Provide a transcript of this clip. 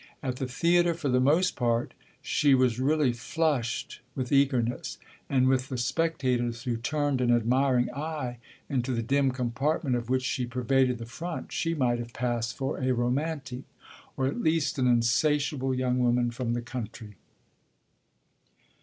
At the theatre, for the most part, she was really flushed with eagerness; and with the spectators who turned an admiring eye into the dim compartment of which she pervaded the front she might have passed for a romantic or at least an insatiable young woman from the country.